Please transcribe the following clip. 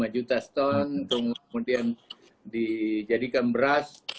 lima juta ston kemudian dijadikan beras